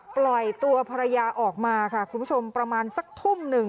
ปล่อยตัวภรรยาออกมาค่ะคุณผู้ชมประมาณสักทุ่มหนึ่ง